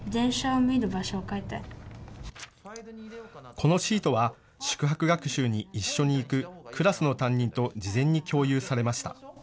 このシートは宿泊学習に一緒に行くクラスの担任と事前に共有されました。